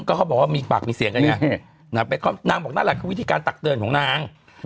ก็เขาบอกว่ามีปากมีเสียงกันไงนางบอกนั่นแหละคือวิธีการตักเตือนของนาง